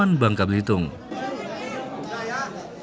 berkumpul dengan kekerasan yang berbahaya